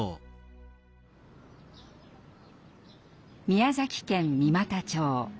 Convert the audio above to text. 宮崎県三股町。